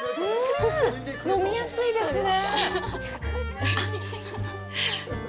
飲みやすいですね。